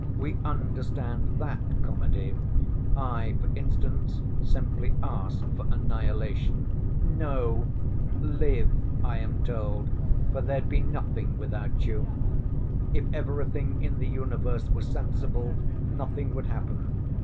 We understand that comedy; I, for instance, simply ask for annihilation. No, live, I am told, for there'd be nothing without you. If everything in the universe were sensible, nothing would happen.